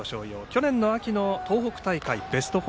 去年秋の東北大会はベスト４。